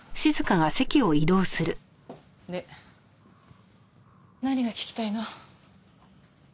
で何が聞きたいの？